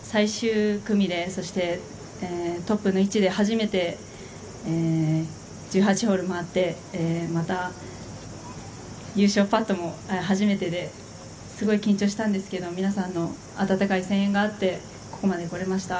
今日、最終組でそしてトップの位置で初めて１８ホール回ってまた優勝パットも初めてですごい緊張したんですけど皆さんの温かい歓声があった。